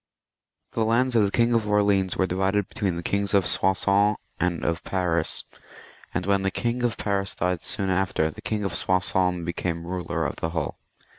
The lands of the King of Orleans were divided between the Kings of Soissons and of Paris, and when the King of Paris died soon after, the King of Soissons became ruler of the whole.